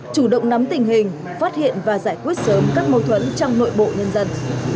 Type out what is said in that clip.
chủ động nắm tình hình phát hiện và giải quyết sớm các mâu thuẫn trong nội bộ nhân dân